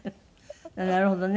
なるほどね。